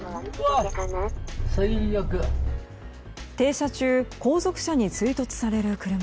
停車中後続車に追突される車。